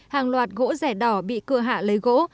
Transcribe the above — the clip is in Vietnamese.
hàng loạt gỗ rẻ đỏ bị cưa hạ lấy gỗ